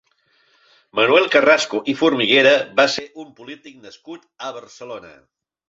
Manuel Carrasco i Formiguera va ser un polític nascut a Barcelona.